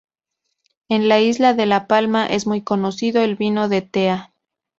En la isla de La Palma es muy conocido el vino de tea.